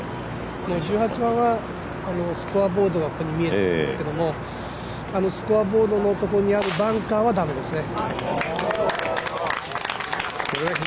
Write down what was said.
１８番はスコアボードがここに見えてきますけどスコアボードのところにあるバンカーは駄目ですね。